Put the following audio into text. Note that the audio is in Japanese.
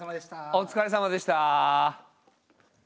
お疲れさまでした。